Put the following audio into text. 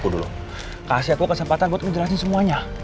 kasih aku kesempatan buat ngejelasin semuanya